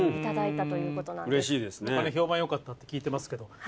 評判よかったって聞いてますけど。